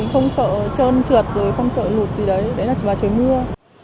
không sợ trơn trượt rồi không sợ lụt gì đấy đấy là trời mưa